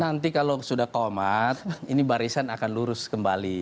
nanti kalau sudah komat ini barisan akan lurus kembali